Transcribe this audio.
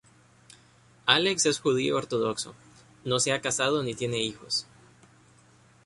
Alex es judío ortodoxo, no se ha casado ni tiene hijos.